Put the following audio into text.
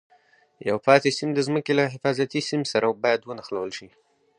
یو پاتې سیم د ځمکې له حفاظتي سیم سره باید ونښلول شي.